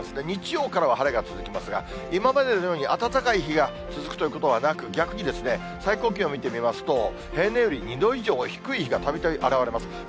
日曜からは晴れが続きますが、今までのように暖かい日が続くということはなく、逆に最高気温を見てみますと、平年より２度以上低い日がたびたび現れます。